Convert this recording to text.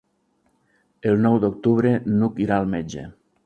El nou d'octubre n'Hug irà al metge.